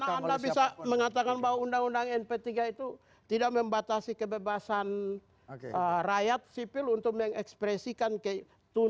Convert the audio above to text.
bagaimana anda bisa mengatakan bahwa undang undang np tiga itu tidak membatasi kebebasan rakyat sipil untuk mengekspresikan keuntungan